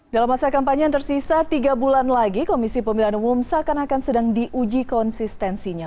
dalam masa kampanye yang tersisa tiga bulan lagi komisi pemilihan umum seakan akan sedang diuji konsistensinya